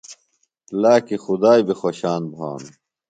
لاکی خدائی بیۡ خوۡشان بھانوۡ۔